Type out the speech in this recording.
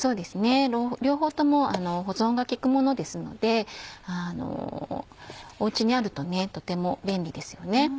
両方とも保存が利くものですのでお家にあるととても便利ですよね。